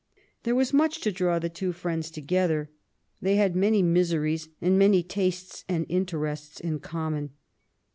There was much to draw the two friends together. They had many miseries and many tastes and interests in common.